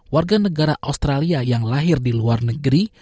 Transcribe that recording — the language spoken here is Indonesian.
warga negara australia yang lahir di luar negeri